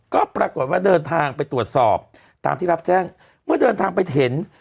ก็ปรากฏว่าเดินทางไปตรวจสอบตามที่รับแจ้งเมื่อเดินทางไปเห็น